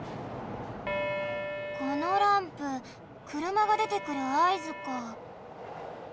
このランプくるまがでてくるあいずか。